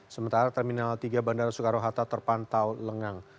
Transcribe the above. sementara terminal tiga bandara soekarohata terpantau lengang